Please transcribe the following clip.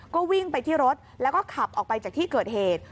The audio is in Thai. ก็วิ่งไปที่รถแล้วก็ขับออกไปจากที่เกิดเหตุ